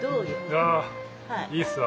いやいいっすわ。